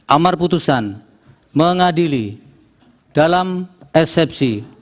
amar putusan mengadili dalam eksepsi